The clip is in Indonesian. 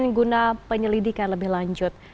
guna penyelidikan lebih lanjut